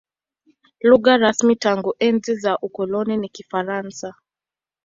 Lugha rasmi tangu enzi za ukoloni ni Kifaransa.